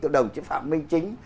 đồng chí phạm minh chính